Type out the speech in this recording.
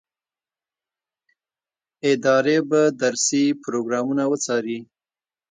ادارې به درسي پروګرامونه وڅاري.